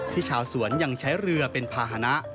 ชาวสวนยังใช้เรือเป็นภาษณะ